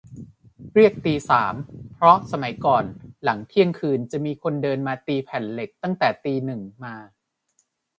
เรียกตีสาม เพราะสมัยก่อนหลังเที่ยงคืน จะมีคนมาเดินตีแผ่นเหล็กตั้งแต่ตีหนึ่งมา